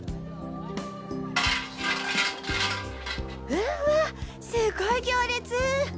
うわっすごい行列！